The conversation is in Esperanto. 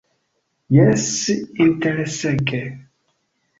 Jes, interesege.